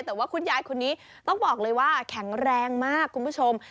แต่ว่าคุณยายคนนี้ต้องบอกเลยว่าแข็งแรงมากคุณผู้ชม